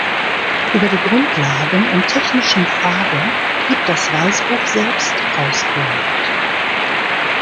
Über die Grundlagen und technischen Fragen gibt das Weißbuch selbst Auskunft.